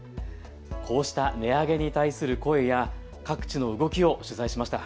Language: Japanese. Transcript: こうした値上げに対する声や各地の動きを取材しました。